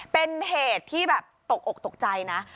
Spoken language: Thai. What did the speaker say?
เป็นเหตุที่แบบตกอกตกใจนะ